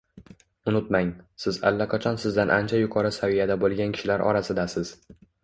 Unutmang, siz allaqachon sizdan ancha yuqori saviyada bo’lgan kishilar orasidasiz